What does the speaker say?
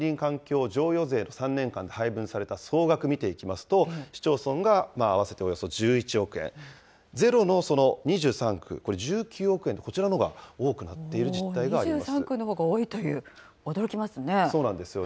では、その森林環境譲与税の３年間で配分された総額見ていきますと、市町村が合わせておよそ１１億円、ゼロの２３区、これ、１９億円と、こちらのほうが多くなっている実態があります。